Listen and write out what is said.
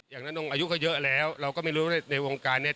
น้องอายุเขาเยอะแล้วเราก็ไม่รู้ในวงการเนี่ย